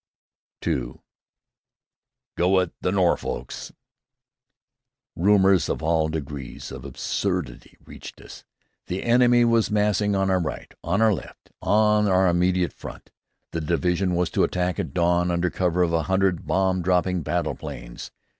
II. "GO IT, THE NORFOLKS!" Rumors of all degrees of absurdity reached us. The enemy was massing on our right, on our left, on our immediate front. The division was to attack at dawn under cover of a hundred bomb dropping battle planes.